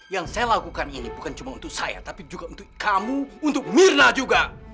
yang saya lakukan ini bukan cuma untuk saya tapi juga untuk kamu untuk mirna juga